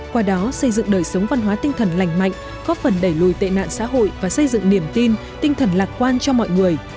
qua đó xây dựng đời sống văn hóa tinh thần lành mạnh góp phần đẩy lùi tệ nạn xã hội và xây dựng niềm tin tinh thần lạc quan cho mọi người